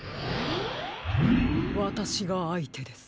わたしがあいてです。